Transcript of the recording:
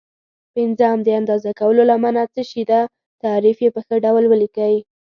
پنځم: د اندازه کولو لمنه څه شي ده؟ تعریف یې په ښه ډول ولیکئ.